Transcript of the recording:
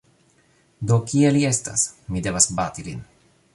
Do, kie li estas; mi devas bati lin